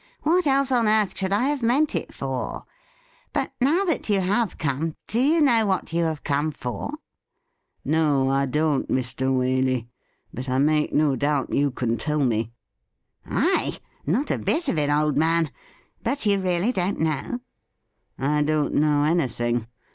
What else on earth should I have meant it for ? But now that you have come, do you know what you have come for .?'' No, I don't, Mr. Waley ; but I make no doubt you can tell me.' ' I ? Not a bit of it, old man. But you really don't know .?'' I don't know anything.